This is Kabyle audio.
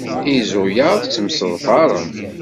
Izuyaḍ ttemseḍfaren.